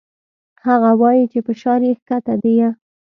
هغه وايي چې فشار يې کښته ديه.